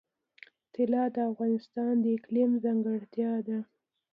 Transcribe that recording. طلا د افغانستان د اقلیم ځانګړتیا ده.